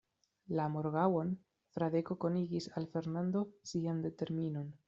La morgaŭon, Fradeko konigis al Fernando sian determinon.